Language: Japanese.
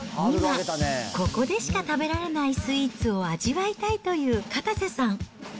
今、ここでしか食べられないスイーツを味わいたいというかたせさん。